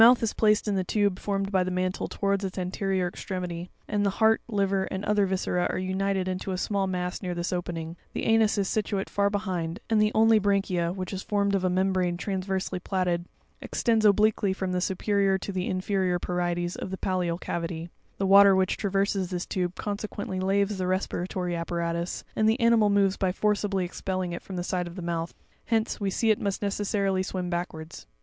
91 is placed in the tube formed by the mantle towards its anterior extremity ; and the heart, liver, and other viscera, are united into a small mass near this opening; the anus is situate far be hind, and the only branchia, which is formed of a membrane transversely plaited, extends obliquely from the superior to the inferior parietes of the pallial cavity ; the water which traverses this tube, consequently laves the respiratory apparatus, and the animal moves by forcibly expelling it from the side of the mouth : hence, we see it must necessarily swim backwards.